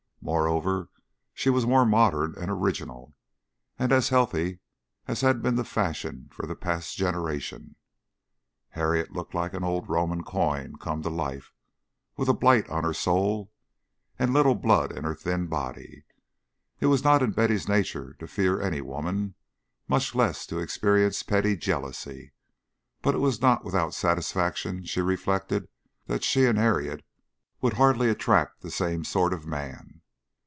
Moreover, she was more modern and original, and as healthy as had been the fashion for the past generation, Harriet looked like an old Roman coin come to life, with a blight on her soul and little blood in her thin body. It was not in Betty's nature to fear any woman, much less to experience petty jealousy, but it was not without satisfaction she reflected that she and Harriet would hardly attract the same sort of man.